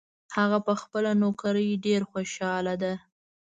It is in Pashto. هغه په خپله نوکري ډېر خوشحاله ده